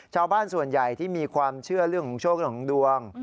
ชาวบ้านส่วนใหญ่ที่มีความเชื่อเรื่องของโชคดวง